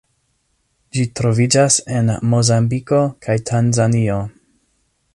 Ĝi troviĝas en Mozambiko kaj Tanzanio.